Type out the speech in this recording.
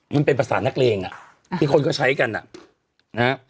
มันเป็นภาษานักเลงอ่ะที่คนก็ใช้กันอ่ะนะฮะ